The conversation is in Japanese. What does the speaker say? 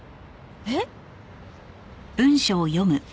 えっ？